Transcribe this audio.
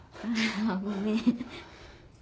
ごめん。